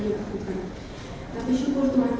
dilakukan tapi syukur tuhan